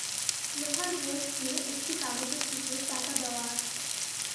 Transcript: লোহার বোল্ট দিয়ে একটি কাগজের টুকরো চাপা দেওয়া আছে।